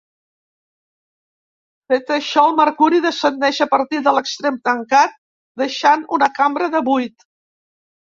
Fet això el mercuri descendeix a partir de l'extrem tancat, deixant una cambra de buit.